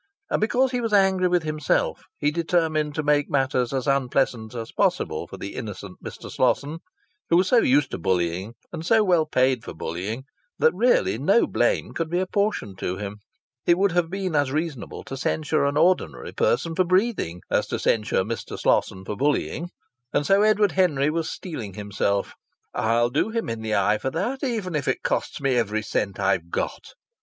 And because he was angry with himself he determined to make matters as unpleasant as possible for the innocent Mr. Slosson, who was so used to bullying, and so well paid for bullying that really no blame could be apportioned to him. It would have been as reasonable to censure an ordinary person for breathing as to censure Mr. Slosson for bullying. And so Edward Henry was steeling himself: "I'll do him in the eye for that, even if it costs me every cent I've got."